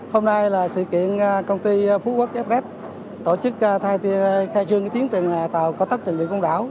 hôm nay là sự kiện công ty phú quốc f r e t tổ chức khai trương tuyến tàu cao tốc trần đề công đảo